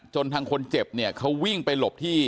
ทางคนเจ็บเนี่ยเขาวิ่งไปหลบที่